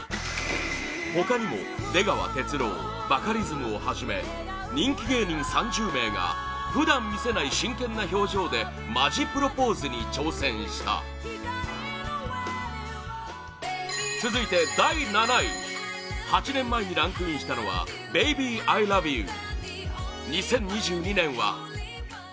他にも、出川哲郎バカリズムをはじめ人気芸人３０名が普段見せない真剣な表情でマジプロポーズに挑戦した続いて、第７位８年前にランクインしたのは「ベイビー・アイラブユー」